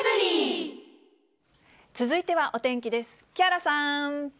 続いてはお天気です。